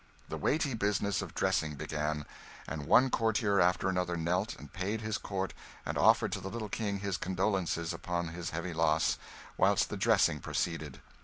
The weighty business of dressing began, and one courtier after another knelt and paid his court and offered to the little King his condolences upon his heavy loss, whilst the dressing proceeded.